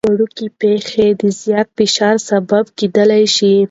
وړوکي پېښې د زیات فشار سبب کېدای شي.